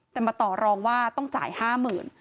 แต่มาต่อรองว่าต้องจ่าย๕๐๐๐บาท